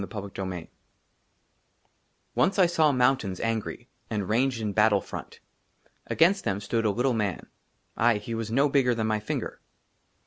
i 22 i XXII ONCE 1 SAW MOUNTAINS ANGRY, AND RANGED IN BATTLE FRONT. AGAINST THEM STOOD A LITTLE MAN ; AYE, HE WAS NO BIGGER THAN MY FINGER.